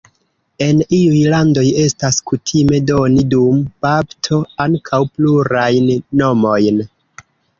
En iuj landoj estas kutime doni dum bapto ankaŭ plurajn nomojn.